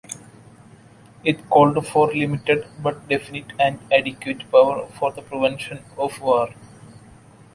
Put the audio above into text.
It called for limited but definite and adequate power for the prevention of war.